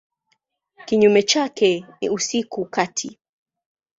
Kinyume chake ni usiku kati.